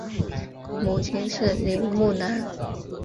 母亲是林慕兰。